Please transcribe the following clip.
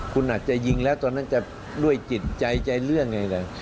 คุณอาจจะยิงแล้วตอนนั้นจะด้วยจิตใจใจเรื่องอะไรเลย